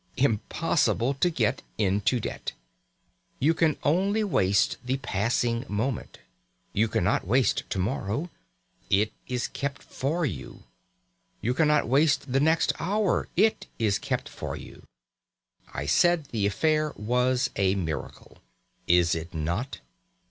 Impossible to get into debt! You can only waste the passing moment. You cannot waste to morrow; it is kept for you. You cannot waste the next hour; it is kept for you. I said the affair was a miracle. Is it not?